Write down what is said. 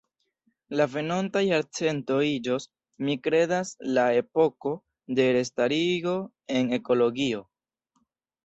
La venonta jarcento iĝos, mi kredas, la epoko de restarigo en ekologio".